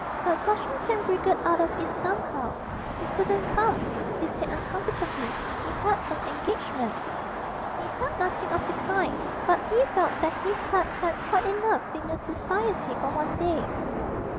But Flushington wriggled out of it somehow. He couldn't come, he said uncomfortably; he had an engagement. He had nothing of the kind, but he felt that he had had quite enough female society for one day.